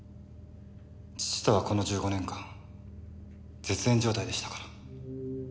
父とはこの１５年間絶縁状態でしたから。